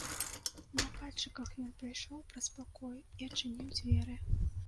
На пальчыках ён прайшоў праз пакой і адчыніў дзверы.